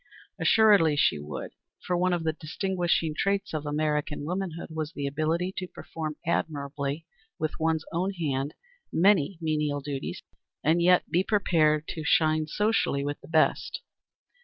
Assuredly she would, for one of the distinguishing traits of American womanhood was the ability to perform admirably with one's own hand many menial duties and yet be prepared to shine socially with the best.